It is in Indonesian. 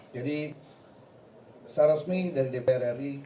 jadi secara resmi dari dpr ri